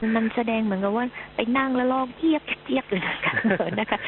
มันแสดงเหมือนกับว่าไปนั่งละลอกเพียบเลยนะคะ